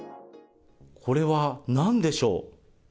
これはなんでしょう？